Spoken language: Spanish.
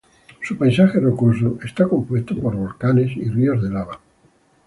Su paisaje rocoso está compuesto por volcanes y ríos de lava.